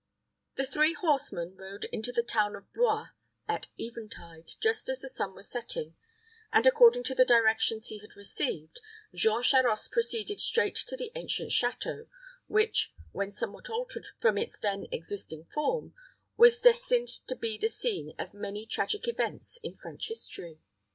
The three horsemen rode into the town of Blois at eventide, just as the sun was setting; and, according to the directions he had received, Jean Charost proceeded straight to the ancient château, which, when somewhat altered from its then existing form, was destined to be the scene of many tragic events in French history.